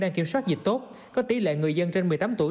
đang kiểm soát dịch tốt có tỷ lệ người dân trên một mươi tám tuổi